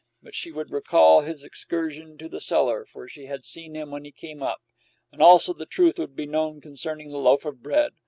But she would recall his excursion to the cellar, for she had seen him when he came up; and also the truth would be known concerning the loaf of bread.